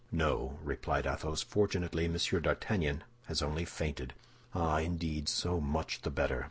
"No," replied Athos, "fortunately Monsieur d'Artagnan has only fainted." "Ah, indeed, so much the better!"